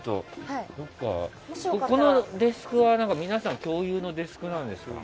このデスクは皆さん共有のデスクなんですか？